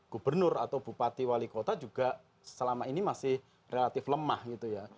gubernur atau bupati wali kota juga selama ini masih relatif lemah gitu ya